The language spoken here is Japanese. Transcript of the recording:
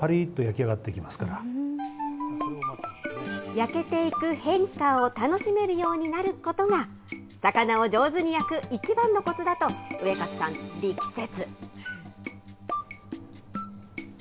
焼けていく変化を楽しめるようになることが、魚を上手に焼く一番のコツだとウエカツさん力説。